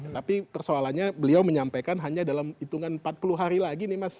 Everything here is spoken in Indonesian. tapi persoalannya beliau menyampaikan hanya dalam hitungan empat puluh hari lagi nih mas